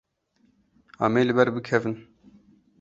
Em ê li ber bikevin.